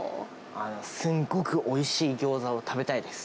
すんごくおいしいギョーザを食べたいです。